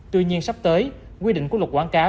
tuy nhiên sắp tới quy định của luật quảng cáo